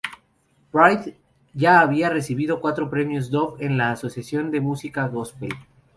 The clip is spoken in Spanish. Bride ya ha recibido cuatro Premios Dove en el Asociación de Música Gospel.